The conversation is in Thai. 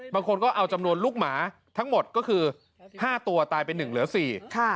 บางคนก็เอาจำนวนลูกหมาทั้งหมดก็คือห้าตัวตายไปหนึ่งเหลือสี่ค่ะ